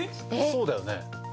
そうだよね？